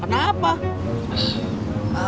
ternyata dari percasa